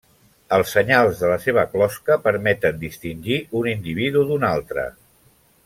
Els senyals de la seva closca permeten distingir un individu d'un altre.